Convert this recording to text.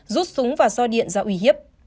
rút súng và do điện ra ủy hiếp